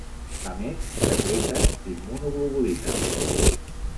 A més secreten immunoglobulina.